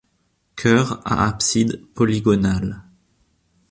Chœur à abside polygonale.